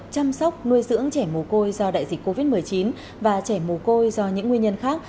chăm sóc nuôi dưỡng trẻ mồ côi do đại dịch covid một mươi chín và trẻ mù côi do những nguyên nhân khác